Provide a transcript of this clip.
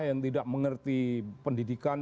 yang tidak mengerti pendidikan